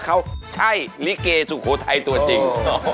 เขาใช่ลิเกสุโขทัยตัวจริง